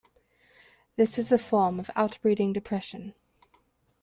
This is a form of outbreeding depression.